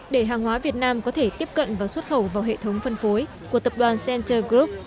để hàng hóa việt nam có thể tiếp cận và xuất khẩu vào hệ thống phân phối của tập đoàn center group